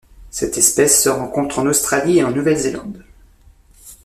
Cette espèce se rencontre en Australie et en Nouvelle-Zélande.